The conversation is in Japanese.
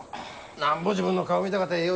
なんぼ自分の顔見たかてええ